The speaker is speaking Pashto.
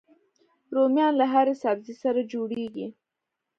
رومیان له هرې سبزي سره جوړيږي